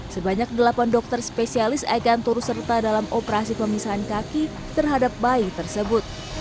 sebanyak delapan dokter spesialis akan turut serta dalam operasi pemisahan kaki terhadap bayi tersebut